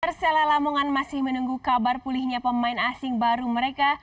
persela lamongan masih menunggu kabar pulihnya pemain asing baru mereka